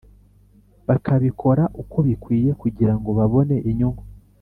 bakabikora uko bikwiye kugira ngo babone inyungu